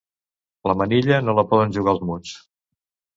La manilla no la poden jugar els muts.